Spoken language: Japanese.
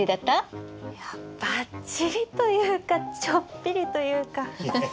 いやばっちりというかちょっぴりというか。